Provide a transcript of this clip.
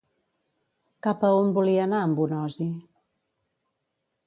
Cap a on volia anar en Bonosi?